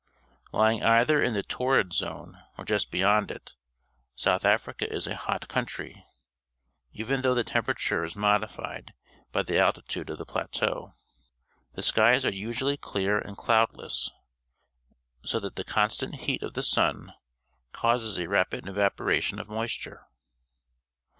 Lj ing either in the Torrid Zone or just beyond it, South Africa is a hot country, even though the temperature is m od ified _ by—tlie altitude oTThe^lateau. The skie s are usually clear jincLcloiidJBSs, so that the constant heat of the sun causes a rapid evaporation of mois ture.